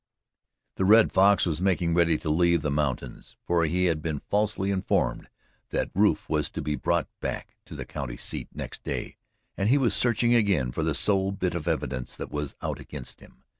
The Red Fox was making ready to leave the mountains, for he had been falsely informed that Rufe was to be brought back to the county seat next day, and he was searching again for the sole bit of evidence that was out against him.